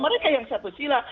mereka yang satu sila